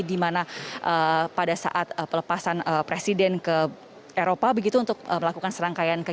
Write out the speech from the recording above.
dimana pada saat pelepasan presiden ke eropa begitu untuk melakukan serangkaian kesehatan